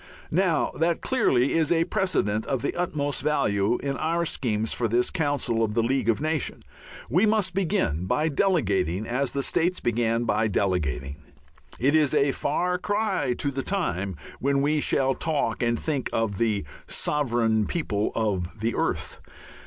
Now, that clearly is a precedent of the utmost value in our schemes for this council of the League of Nations. We must begin by delegating, as the States began by delegating. It is a far cry to the time when we shall talk and think of the Sovereign People of the Earth.